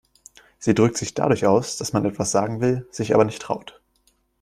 Sie drückt sich dadurch aus, dass man etwas sagen will, sich aber nicht traut.